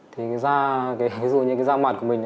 thì da ví dụ như cái da mặt của mình